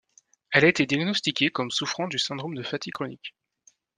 Elle a été diagnostiquée comme souffrant du syndrome de fatigue chronique.